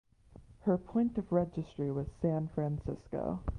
Her port of registry was San Francisco.